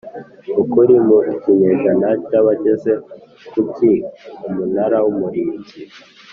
Ukuri mu kinyejana cya bageze ku ki umunara w umurinzi